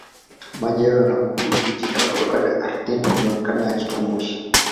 Maji hayo yanayobubujika kutoka ardhini huonekana yakitoa moshi